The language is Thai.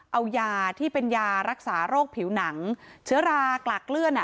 เอายาที่เป็นยารักษาโรคผิวหนังเชื้อรากลากเลื่อนอ่ะ